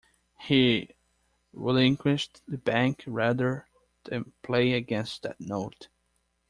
He relinquished the bank rather than play against that note.